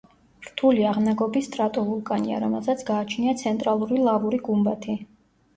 რთული აღნაგობის სტრატოვულკანია, რომელსაც გააჩნია ცენტრალური ლავური გუმბათი.